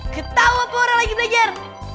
ketawa po orang lagi belajar